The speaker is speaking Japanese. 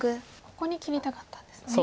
ここに切りたかったんですね。